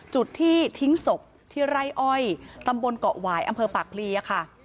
จุดที่ทิ้งศพที่ไร่อ้อยตำบลเกาะหวายอำเภอปากพลีค่ะ